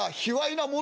「な？」